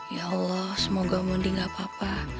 ya allah semoga mending gak apa apa